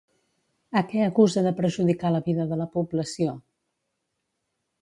A què acusa de perjudicar la vida de la població?